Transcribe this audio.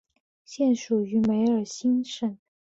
现属于梅尔辛省。